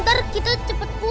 ya aku mau makan